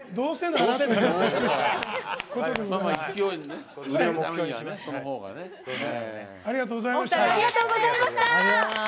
お二人ありがとうございました。